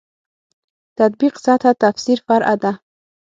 تطبیق سطح تفسیر فرع ده.